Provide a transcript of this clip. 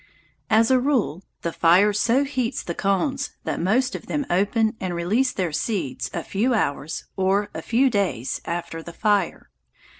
As a rule, the fire so heats the cones that most of them open and release their seeds a few hours, or a few days, after the fire.